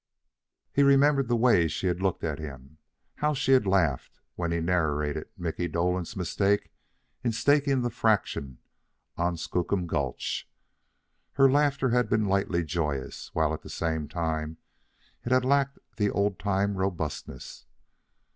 He remembered the way she had looked at him, how she had laughed when he narrated Mickey Dolan's mistake in staking the fraction on Skookum Gulch. Her laughter had been lightly joyous, while at the same time it had lacked its oldtime robustness.